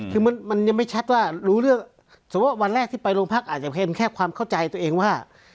คือมันยังไม่ชัดว่ารู้เรื่องสมมุติวันแรกที่ไปโรงพักอาจจะเป็นแค่ความเข้าใจตัวเองว่า